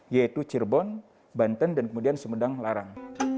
yaitu cirebon banten dan kemudian sumedang larang